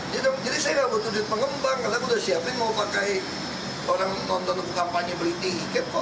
jadi saya gak butuh duit pengembang karena aku udah siapin mau pakai orang nonton kampanye beri tiket kok